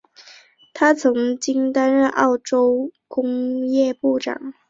他曾经担任澳洲工业部长。